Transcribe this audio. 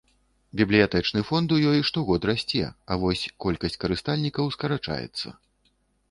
Бібліятэчны фонд у ёй штогод расце, а вось колькасць карыстальнікаў скарачаецца.